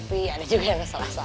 mandi ibak semua